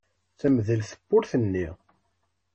Temdel tewwurt-nni.